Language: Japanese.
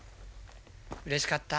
うれしかった。